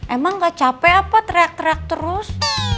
emang gak capek apa teriak teriak terus